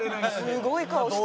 すごい顔して。